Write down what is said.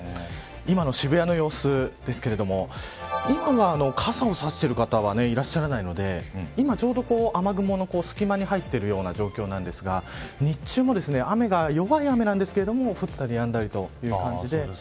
今の渋谷の様子ですけれども今は傘を差している方はいらっしゃらないので今ちょうど雨雲の隙間に入っているような状況なんですが日中も雨が、弱い雨なんですけど降ったりやんだりという感じで。